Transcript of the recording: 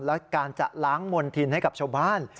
และการจะล้างมณฑิณให้กับชมพาช